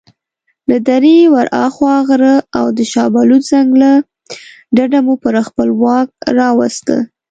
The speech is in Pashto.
له درې ورهاخوا غر او د شابلوط ځنګله ډډه مو په خپل واک راوسته.